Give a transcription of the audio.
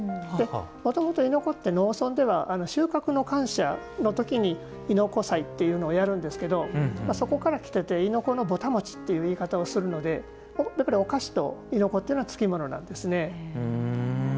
もともと、亥子って農村では、収穫の感謝の時に亥子祭というのをやるんですがそこからきてて亥子のぼた餅っていう言い方をするのでお菓子と、亥子というのは付き物なんですね。